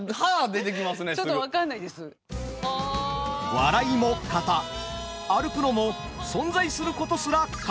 笑いも型歩くのも存在することすら型。